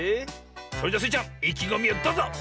それじゃスイちゃんいきごみをどうぞ！